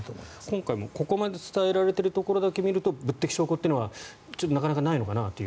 今回もここまで伝えられていることだけでは物的証拠というのはなかなかないのかなという。